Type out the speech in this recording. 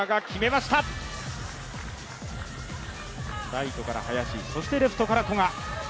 ライトから林、レフトから古賀。